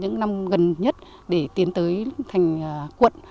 những năm gần nhất để tiến tới thành quận